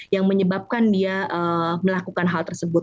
yang menyebabkan dia melakukan hal tersebut